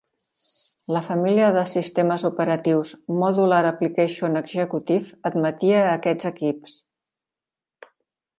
La família de sistemes operatius Modular Applications eXecutive admetia aquests equips.